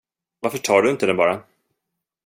Varför tar du den inte bara?